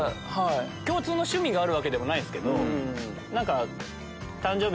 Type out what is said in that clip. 共通の趣味があるわけでもないんですけど誕生日